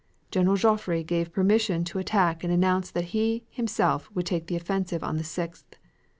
General Joffre gave permission to attack and announced that he would himself take the offensive on the 6th.